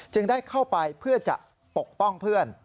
ได้เข้าไปเพื่อจะปกป้องเพื่อน